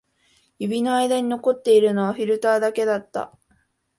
指の間に残っているのはフィルターだけだった